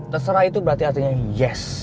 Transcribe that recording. terserah itu berarti artinya yes